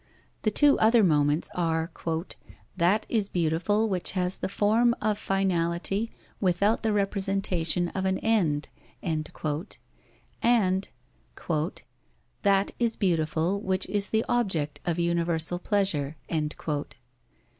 The two other moments are, "That is beautiful which has the form of finality without the representation of an end," and "That is beautiful which is the object of universal pleasure."